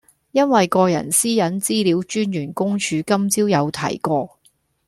因為個人私隱資料專員公署今朝有提過